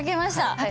はい。